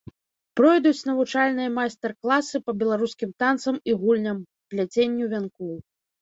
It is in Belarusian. Пройдуць навучальныя майстар-класы па беларускім танцам і гульням, пляценню вянкоў.